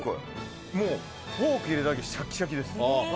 フォーク入れただけでシャキシャキです。